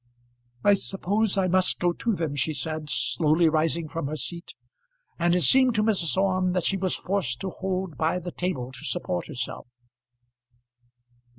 "I suppose I must go to them," she said, slowly rising from her seat; and it seemed to Mrs. Orme that she was forced to hold by the table to support herself.